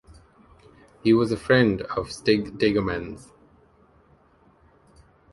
He was a friend of Stig Dagerman's.